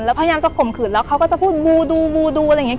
แล้วพยายามจะข่มขืนแล้วเขาก็จะพูดบูดูบูดูอะไรอย่างนี้